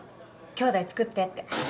きょうだい作ってって。